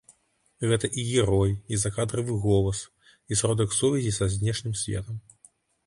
Гэта і герой, і закадравы голас, і сродак сувязі са знешнім светам.